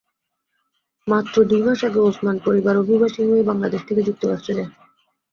মাত্র দুই মাস আগে ওসমান পরিবার অভিবাসী হয়ে বাংলাদেশ থেকে যুক্তরাষ্ট্রে যায়।